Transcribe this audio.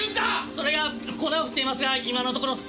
それが粉を振っていますが今のところ検出出来ません！